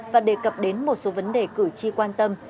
và đề cập đến một số vấn đề cử tri quan tâm